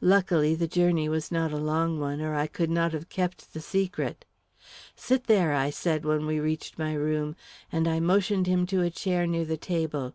Luckily, the journey was not a long one, or I could not have kept the secret. "Sit there," I said, when we reached my room, and I motioned him to a chair near the table.